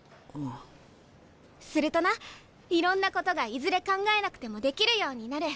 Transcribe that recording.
するとな「いろんなことがいずれ考えなくてもできるようになる。